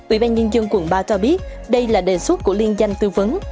ủy ban nhân dân quận ba cho biết đây là đề xuất của liên danh tư vấn